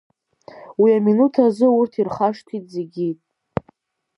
Уи аминуҭ азы урҭ ирхашҭит зегьы.